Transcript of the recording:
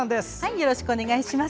よろしくお願いします。